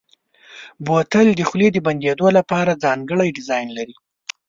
بوتل د خولې د بندېدو لپاره ځانګړی ډیزاین لري.